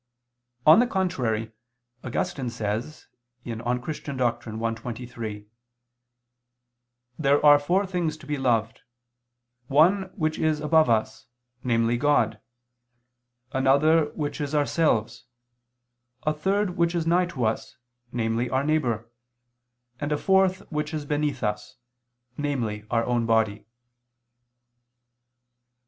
On the contrary, Augustine says (De Doctr. Christ. i, 23): "There are four things to be loved; one which is above us," namely God, "another, which is ourselves, a third which is nigh to us," namely our neighbor, "and a fourth which is beneath us," namely our own body.